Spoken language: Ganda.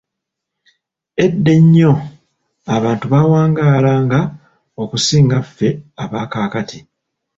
Edda ennyo abantu baawangaalanga okusinga ffe abakaakati.